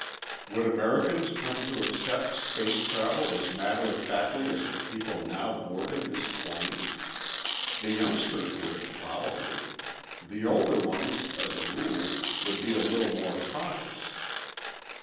Would Americans come to accept space travel as matter of factly as the people now boarding this plane? The youngsters would, probably; the older ones, as a rule, would be a little more cautious.